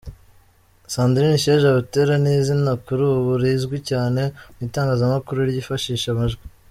Sandrine Isheja Butera ni izina ,kuri ubu, rizwi cyane mu itangazamakuru ryifashisha amajwi.